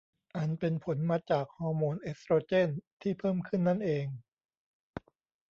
อันเป็นผลมาจากฮอร์โมนเอสโตรเจนที่เพิ่มขึ้นนั่นเอง